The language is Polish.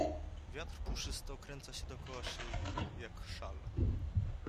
Wiatr puszysty okręca się dookoła szyi, jak szal.